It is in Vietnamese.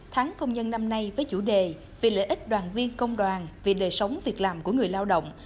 tháng công nhân năm nay với chủ đề vì lợi ích đoàn viên công đoàn vì đời sống việc làm của người lao động